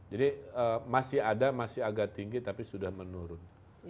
jadi masih ada masih agak tinggi tapi sudah menurun